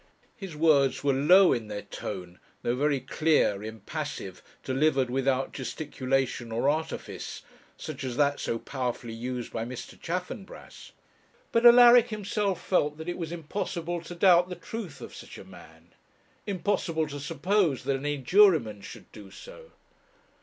His words were low in their tone, though very clear, impassive, delivered without gesticulation or artifice, such as that so powerfully used by Mr. Chaffanbrass; but Alaric himself felt that it was impossible to doubt the truth of such a man; impossible to suppose that any juryman should do so.